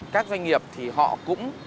các doanh nghiệp thì họ cũng